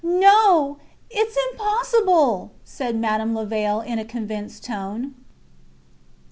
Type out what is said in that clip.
No! Its impossible ... said Madame Levaille, in a convinced tone.